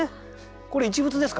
これ一物ですか？